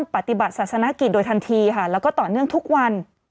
ปฏิบัติศาสนกิจโดยทันทีค่ะแล้วก็ต่อเนื่องทุกวัน